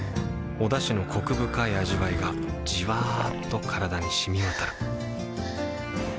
おだしのコク深い味わいがじわっと体に染み渡るはぁ。